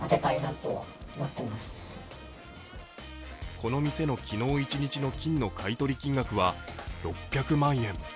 この店の昨日一日の金の買い取り金額は６００万円。